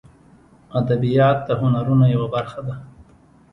ادبیات د هنرونو یوه برخه ده